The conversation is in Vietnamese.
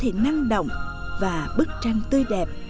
tỉnh đô thị năng động và bức trang tươi đẹp